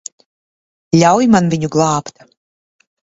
Ļauj man viņu glābt.